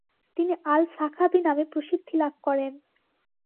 তিনি আল-সাখাভী নামে প্রসিদ্ধি লাভ করেন।